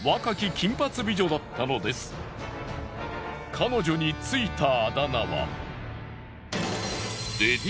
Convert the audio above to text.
彼女についたあだ名は。